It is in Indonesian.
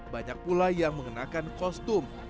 banyak pula yang mengenakan kostum